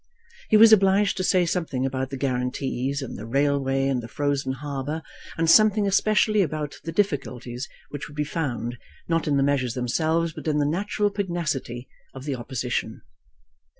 He was obliged to say something about the guarantees, and the railway, and the frozen harbour, and something especially about the difficulties which would be found, not in the measures themselves, but in the natural pugnacity of the Opposition.